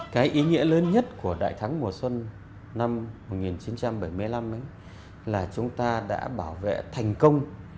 cái ý nghĩa lớn nhất của đại thắng mùa xuân năm một nghìn chín trăm bảy mươi năm ấy là chúng ta đã bảo vệ thành công